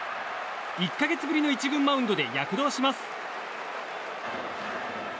１か月ぶりの１軍マウンドで躍動します。